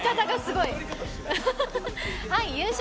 優勝